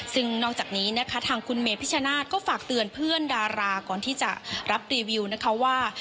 ซึ่งนอกจากนี้นะคะทางคุณเมพิชนาธิก็ฝากเตือนเพื่อนดาราก่อนที่จะรับรีวิวนะคะว่า